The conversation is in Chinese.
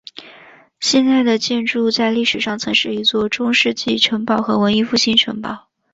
现在的建筑在历史上曾是一座中世纪城堡和文艺复兴城堡。